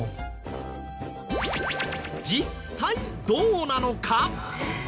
実際どうなのか？